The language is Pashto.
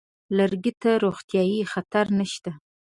لرګي ته روغتیايي خطر نشته.